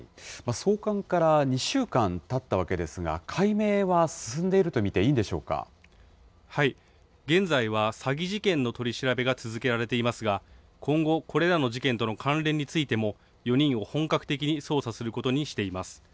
送還から２週間たったわけですが、解明は進んでいると見てい現在は詐欺事件の取り調べが続けられていますが、今後、これらの事件との関連についても、４人を本格的に捜査することにしています。